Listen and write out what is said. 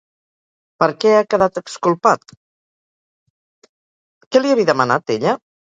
Què li havia demanat ella?